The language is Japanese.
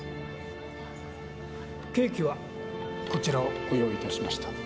ケーキはこちらをご用意いたしました。